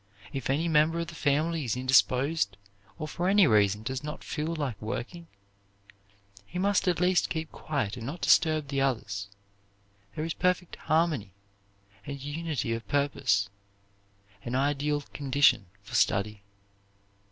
If any member of the family is indisposed, or for any reason does not feel like working, he must at least keep quiet and not disturb the others. There is perfect harmony and unity of purpose, an ideal condition for study.